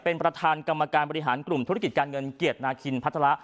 เป็นประธานกรรมการบริหารกลุ่มธุรกิจการเงินเกียรตินาคินพัฒระ